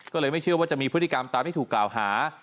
ก็เลยไม่เชื่อว่าจะมีพฤติกรรมตามที่ถูกกล่าวหา